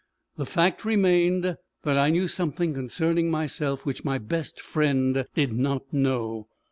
The fact remained, that I knew something concerning myself which my best friend did not know.